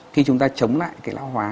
khi chúng ta chống lại cái lão hóa